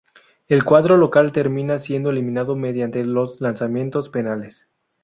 El cuadro local terminaría siendo eliminado mediante los lanzamientos penales.